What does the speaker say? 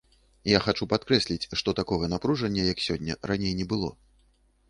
Я хачу падкрэсліць, што такога напружання, як сёння, раней не было.